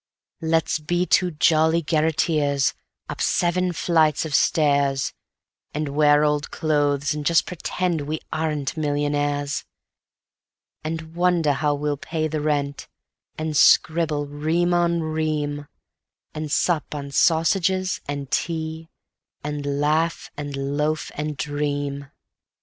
Let's be two jolly garreteers, up seven flights of stairs, And wear old clothes and just pretend we aren't millionaires; And wonder how we'll pay the rent, and scribble ream on ream, And sup on sausages and tea, and laugh and loaf and dream.